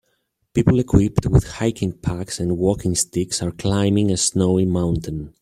People equipped with hiking packs and walking sticks are climbing a snowy mountain.